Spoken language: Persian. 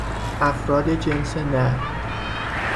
افراد جنس نر